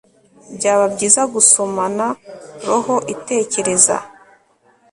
Byaba byiza gusomana roho itekereza